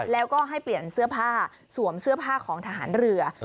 แล้วก็ให้เปลี่ยนเสื้อผ้าสวมเสื้อผ้าของทหารเรือ